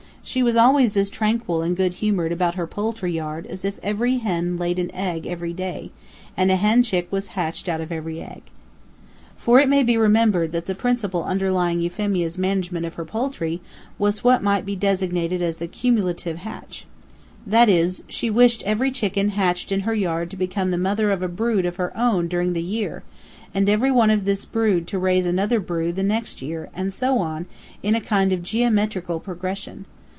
She was always as tranquil and good humored about her poultry yard as if every hen laid an egg every day, and a hen chick was hatched out of every egg. For it may be remembered that the principle underlying Euphemia's management of her poultry was what might be designated as the "cumulative hatch." That is, she wished every chicken hatched in her yard to become the mother of a brood of her own during the year, and every one of this brood to raise another brood the next year, and so on, in a kind of geometrical progression.